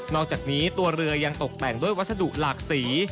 อกจากนี้ตัวเรือยังตกแต่งด้วยวัสดุหลากสี